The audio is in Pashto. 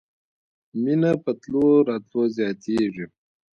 مینه په تلو راتلو زیاتیږي.